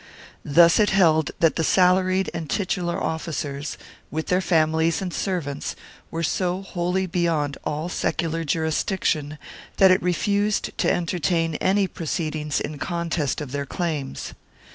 Thus it held that the salaried and titular officials, with their families and servants, were so wholly beyond all secular jurisdiction that it refused to entertain any proceedings in contest of their claims.